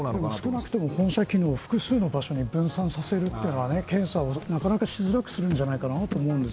少なくとも本社機能を複数の場所に分散させるというのは検査をしづらくするんじゃないかと思います。